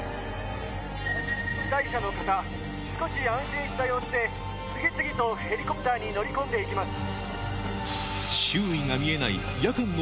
被災者の方少し安心した様子で次々とヘリコプターに乗り込んで行きます。